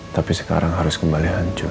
tapi sekarang harus kembali hancur